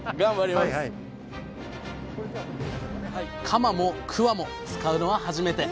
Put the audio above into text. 鎌も鍬も使うのは初めて！